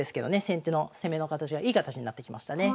先手の攻めの形がいい形になってきましたね。